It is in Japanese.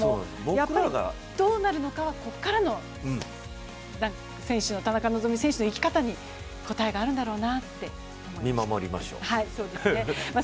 やっぱりどうなるのかはここからの選手の田中希実選手の生き方に答えがあるんだろうなって思います。